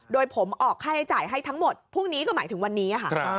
โดยผมออกค่าใช้จ่ายให้ทั้งหมดพรุ่งนี้ก็หมายถึงวันนี้ค่ะ